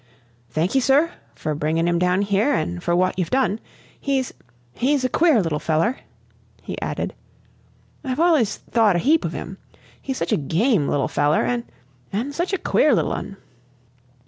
"Thanky, sir, fur bringin' him down here an' fur wot ye've done, He's he's a queer little feller," he added. "I've allers thort a heap of him. He's such a game little feller, an' an' such a queer little un."